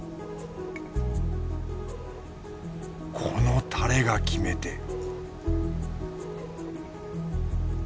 このタレが決め手